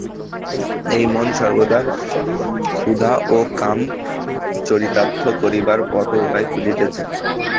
এই মন সর্বদা ক্ষুধা ও কাম চরিতার্থ করিবার পথ ও উপায় খুঁজিতেছে।